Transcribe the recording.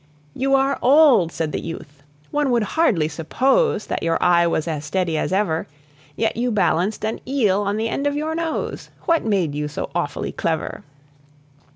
"You are old," said the youth; "one would hardly suppose That your eye was as steady as ever; Yet you balanced an eel on the end of your nose What made you so awfully clever?"